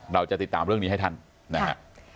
เราจะติดตามเรื่องนี้ให้ท่านนะฮะ